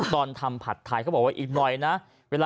ตอนทำผัดไทยเขาบอกว่าอีกหน่อยนะ